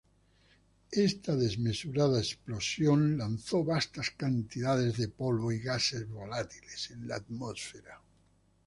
Esta desmesurada explosión lanzó vastas cantidades de polvo y gases volátiles en la atmósfera.